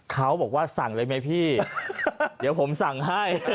เขาบอกว่าสั่งเลยไหมพี่เดี๋ยวผมสั่งให้